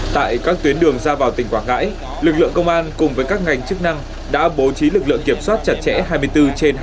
tại các tuyến đường ra vào tỉnh quảng ngãi lực lượng công an cùng với các ngành chức năng đã bố trí lực lượng kiểm soát chặt chẽ hai mươi bốn trên hai mươi bốn